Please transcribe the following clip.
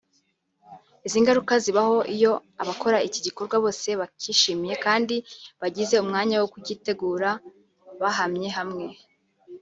Izi ngaruka zibaho iyo abakora iki gikorwa bose bakishimiye kandi bagize umwanya wo kugitegura bahamye hamwe